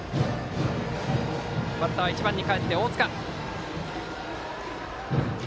バッターは１番にかえって大塚。